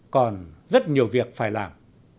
còn rất nhiều việc phải làm